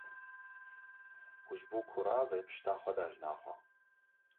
....’’ û ji bo ku razê pişta xwe da jina xwe.